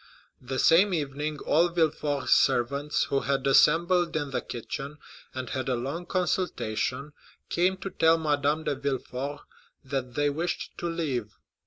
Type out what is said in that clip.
The same evening all Villefort's servants, who had assembled in the kitchen, and had a long consultation, came to tell Madame de Villefort that they wished to leave.